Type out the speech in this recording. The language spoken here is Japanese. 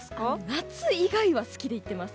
夏以外は好きで行っています。